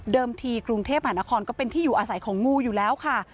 ทีกรุงเทพหานครก็เป็นที่อยู่อาศัยของงูอยู่แล้วค่ะ